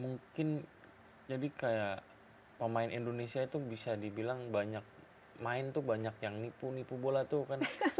mungkin jadi kayak pemain indonesia itu bisa dibilang banyak main tuh banyak yang nipu nipu bola tuh kan